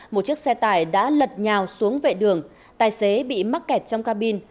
một chiếc xe tải đã lật nhào xuống vệ đường tài xế bị mắc kẹt trong cabin